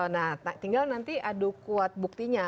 nah tinggal nanti adu kuat buktinya